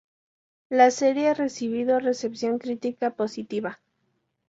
La serie ha recibido recepción crítica positiva.